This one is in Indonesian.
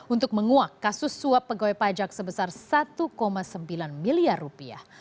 untuk menguak kasus suap pegawai pajak sebesar satu sembilan miliar rupiah